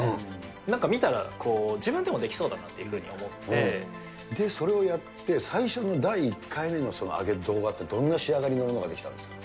なんか見たら、自分でもできそうそれをやって、最初の第１回目の、上げた動画って、どんな仕上がりのものができたんですか。